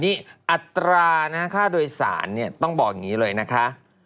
นี่อัตรานะคะค่าโดยสารเนี่ยต้องบอกอย่างนี้เลยนะคะ